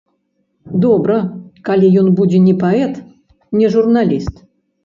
Добра, калі ён будзе не паэт, не журналіст.